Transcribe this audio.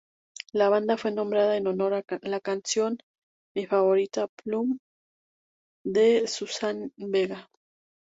La banda fue nombrada en honor a la canción "My Favorite Plum"de Suzanne Vega.